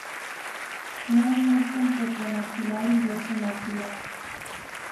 No hay muesca entre premaxilar y hueso maxilar.